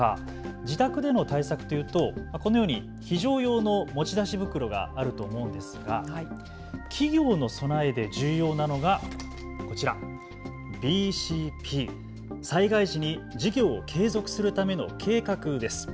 自宅での対策というとこのように非常用の持ち出し袋があると思うんですが、企業の備えで重要なのがこちら、ＢＣＰ、災害時に事業を継続するための計画です。